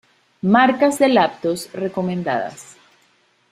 Marcas de laptops recomendadas